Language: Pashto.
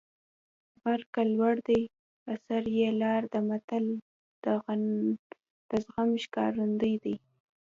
غر که لوړ دی په سر یې لاره ده متل د زغم ښکارندوی دی